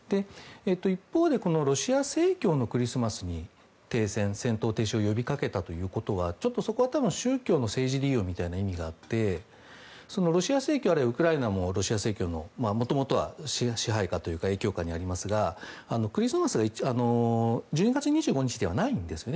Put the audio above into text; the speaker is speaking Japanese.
一方でロシア正教のクリスマスに停戦、戦闘停止を呼びかけたということはちょっとそこは多分、宗教の政治利用みたいな意味があってロシア正教あるいはウクライナもロシア正教の影響下にありますがクリスマスが１２月２５日ではないんですね。